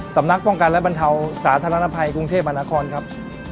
สำนักป้องกันและบรรเทาสถานภัยกรุงเทพบรรณาคอลครับ